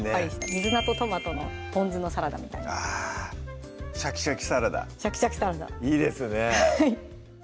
水菜とトマトのポン酢のサラダみたいなシャキシャキサラダいいですね